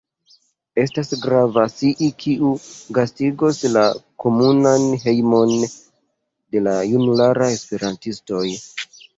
Estas grava scii kiu gastigos la komunan hejmon de la junularaj esperantistoj